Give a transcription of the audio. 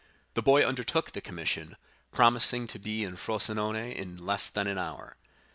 The boy undertook the commission, promising to be in Frosinone in less than an hour.